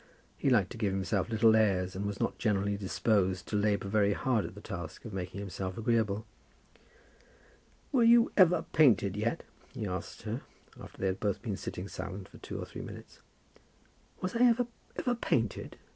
He liked to give himself little airs, and was not generally disposed to labour very hard at the task of making himself agreeable. "Were you ever painted yet?" he asked her after they had both been sitting silent for two or three minutes. "Was I ever ever painted?